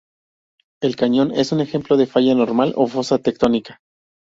El cañón es un ejemplo de falla normal o de fosa tectónica.